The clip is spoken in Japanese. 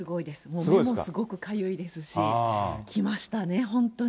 もう目もすごくかゆいですし、来ましたね、本当に。